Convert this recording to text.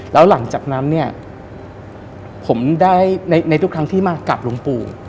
แล้วหลังจากนั้นเนี่ยผมได้ในทุกครั้งที่มากลับหลวงปู่